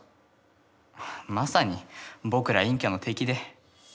まさに僕ら陰キャの敵で。